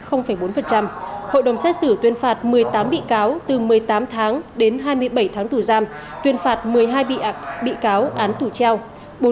hội đồng xét xử tuyên phạt một mươi tám bị cáo từ một mươi tám tháng đến hai mươi bảy tháng tù giam tuyên phạt một mươi hai bị cáo án tù treo